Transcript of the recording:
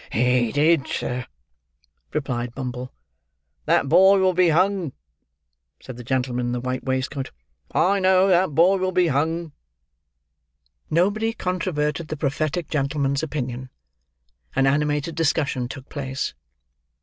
"He did, sir," replied Bumble. "That boy will be hung," said the gentleman in the white waistcoat. "I know that boy will be hung." Nobody controverted the prophetic gentleman's opinion. An animated discussion took place.